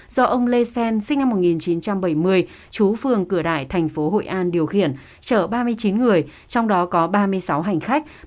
do ông lê xen sinh năm một nghìn chín trăm bảy mươi chú phường cửa đại thành phố hội an điều khiển chở ba mươi chín người trong đó có ba mươi sáu hành khách